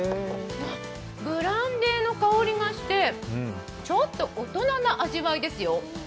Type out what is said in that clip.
ブランデーの香りがして、ちょっと大人な味わいですよ。